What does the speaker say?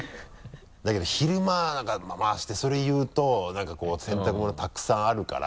だけど昼間なんか回してそれ言うとなんかこう洗濯物たくさんあるから。